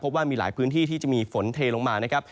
ว่ามีหลายพื้นที่ที่จะมีฝนเทลงมานะครับ